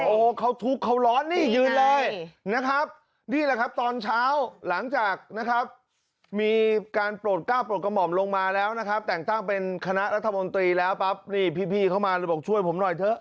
โอ้โหเขาทุกข์เขาร้อนนี่ยืนเลยนะครับนี่แหละครับตอนเช้าหลังจากนะครับมีการโปรดก้าวโปรดกระหม่อมลงมาแล้วนะครับแต่งตั้งเป็นคณะรัฐมนตรีแล้วปั๊บนี่พี่เขามาเลยบอกช่วยผมหน่อยเถอะ